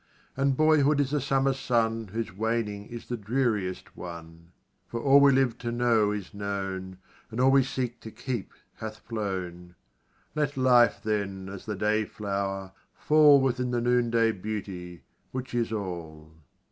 And boyhood is a summer sun Whose waning is the dreariest one For all we live to know is known, And all we seek to keep hath flown Let life, then, as the day flower, fall With the noon day beauty which is all.